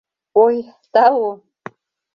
— Ой, тау!